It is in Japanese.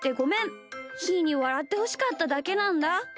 ひーにわらってほしかっただけなんだ。